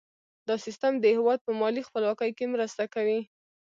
دا سیستم د هیواد په مالي خپلواکۍ کې مرسته کوي.